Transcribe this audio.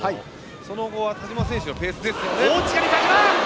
その後、田嶋選手のペースです。